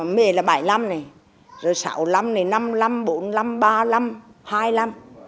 mê là bảy năm này rồi sáu năm này năm năm bốn năm ba năm hai năm